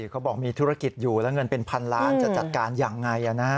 เขาบอกมีธุรกิจอยู่แล้วเงินเป็นพันล้านจะจัดการอย่างไร